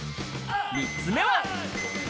３つ目は。